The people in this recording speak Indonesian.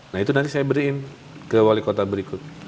nah itu nanti saya beri ke wali kota berikut